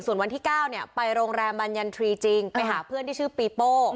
ส่วนวันที่๙ไปโรงแรมบรรยันทรีย์จริงไปหาเพื่อนที่ชื่อปีโป้